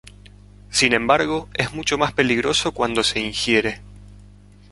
Sin embargo, es mucho más peligroso cuando se ingiere.